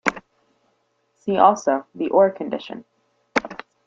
See also the Ore condition.